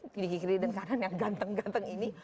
di kiri dan kanan yang ganteng ganteng ini